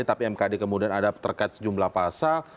tapi mkd kemudian ada terkait sejumlah pasal